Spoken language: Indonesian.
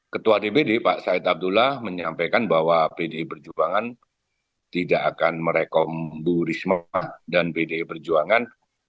ketua dpd pak syed abdullah menyampaikan bahwa pdi perjuangan tidak akan merekomunisir dan pdi perjuangan